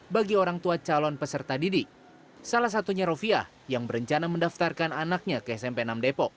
bagi orang tua calon peserta didik salah satunya rofiah yang berencana mendaftarkan anaknya ke smp enam depok